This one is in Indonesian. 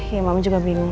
ya mama juga bingung